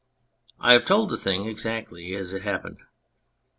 I have told the thing exactly as it happened.